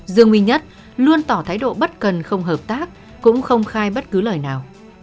dương nguy nhất luôn tỏ thái độ bất cần không hợp tác cũng không khai bất cứ lời nào